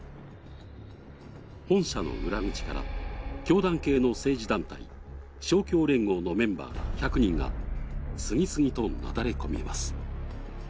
本社の裏口から、教団系の政治団体勝共連合のメンバーら１００人が次々となだれ込みます。